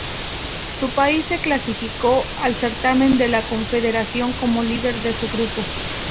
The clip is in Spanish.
Su país se clasificó al certamen de la confederación como líder de su grupo.